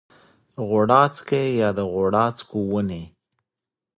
غوړاڅکی یا د غوړاڅکو ونې